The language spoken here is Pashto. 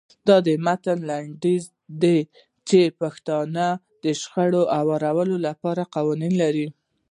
د متن لنډیز دا دی چې پښتانه د شخړو هواري لپاره قوانین لري.